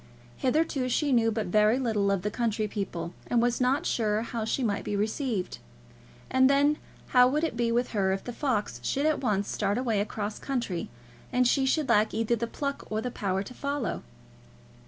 Hitherto she knew but very little of the county people, and was not sure how she might be received; and then how would it be with her if the fox should at once start away across country, and she should lack either the pluck or the power to follow?